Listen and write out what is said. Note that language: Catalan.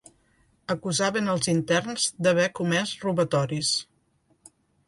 Acusaven els interns d’haver comès robatoris.